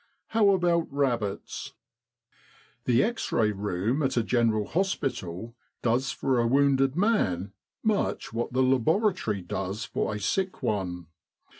How about rabbits ?'" The X Ray Room at a General Hospital does for a wounded man much what the Laboratory does for a sick one.